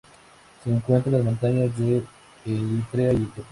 Se encuentra en las montañas de Eritrea y Etiopía.